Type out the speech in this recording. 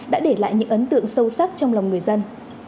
đã để lại những ấn tượng sâu sắc trong lòng người dân